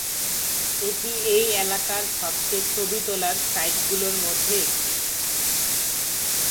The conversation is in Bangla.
এটি এই এলাকার সবচেয়ে ছবি তোলা সাইটগুলির মধ্যে একটি।